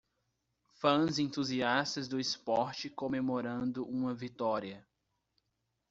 Fãs entusiastas do esporte comemorando uma vitória.